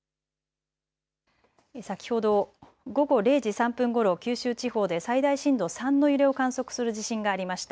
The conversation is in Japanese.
先ほど午後０時３分ごろ九州地方で最大震度３の揺れを観測する地震がありました。